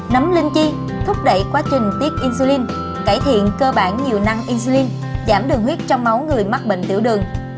nắm linh chi thúc đẩy quá trình tiết insulin cải thiện cơ bản nhiều năng yzin giảm đường huyết trong máu người mắc bệnh tiểu đường